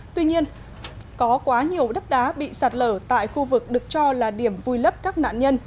tuy nhiên có quá nhiều đất đá bị sạt lở tại khu vực được cho là điểm vui lấp các nạn nhân